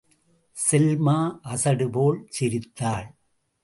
செல்மா அசடுபோல் சிரித்தாள்.